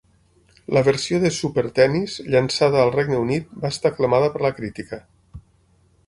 La versió de "Super Tennis" llançada al Regne Unit va estar aclamada per la crítica.